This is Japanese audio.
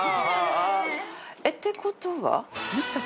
ねえ。ってことは？